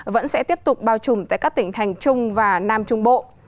vẫn sẽ tiếp tục bao trùm tại các tỉnh thành trung và nam trung bộ